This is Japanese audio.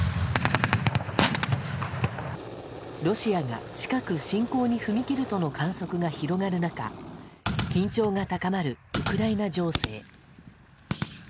ロシアが近く侵攻に踏み切るとの観測が広がる中緊張が高まるウクライナ情勢。